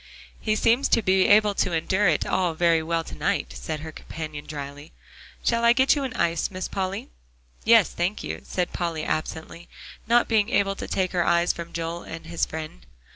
"He seems to be able to endure it all very well to night," said her companion dryly. "Shall I get you an ice, Miss Polly?" "Yes, thank you," said Polly absently, not being able to take her eyes from Joel and his friend.